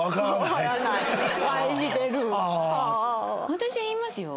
私言いますよ。